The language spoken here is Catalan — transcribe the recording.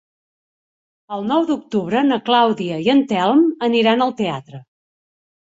El nou d'octubre na Clàudia i en Telm aniran al teatre.